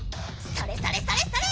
それそれそれそれ！